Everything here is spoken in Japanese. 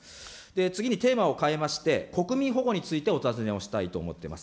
次にテーマを変えまして、国民保護についてお尋ねをしたいと思っています。